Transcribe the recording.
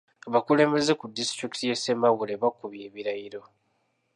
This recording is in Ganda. Abakulembeze ku disitulikiti y’e Ssembabule bakubye ebirayiro.